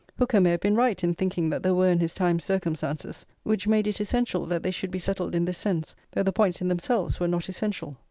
Hooker may have been right in thinking that there were in his time circumstances which made it essential that they should be settled in this sense, though the points in themselves were not essential.